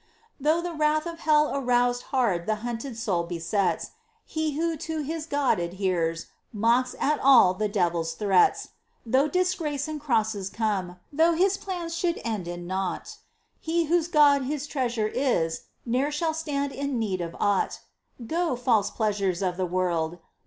Though the wrath of hell aroused Hard the hunted soul besets. He who to his God adheres Mocks at all the devil's threats. POEMS. 59 Though disgrace and crosses come, Though his plans should end in naught, He whose God his treasure is Ne'er shall stand in need of aught. Go, false pleasures of the world